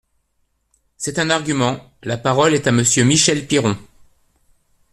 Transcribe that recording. C’est un argument ! La parole est à Monsieur Michel Piron.